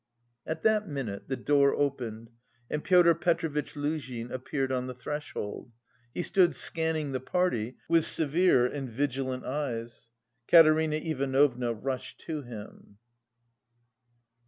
At that minute the door opened, and Pyotr Petrovitch Luzhin appeared on the threshold. He stood scanning the party with severe and vigilant eyes. Katerina Ivanovna rushed to him.